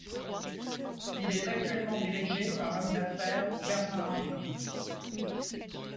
Il est actuellement dirigé par l'homme d'affaires Bernard Arnault.